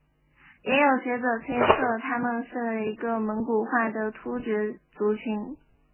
也有学者推测他们是一个蒙古化的突厥族群。